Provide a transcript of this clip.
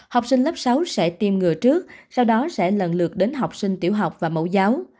học sinh lớp sáu sẽ tiêm ngừa trước sau đó sẽ lần lượt đến học sinh tiểu học và mẫu giáo